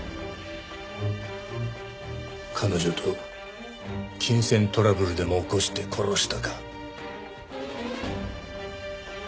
彼女と金銭トラブルでも起こして殺したか？